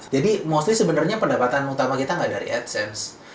jadi mostly sebenarnya pendapatan utama kita nggak dari adsense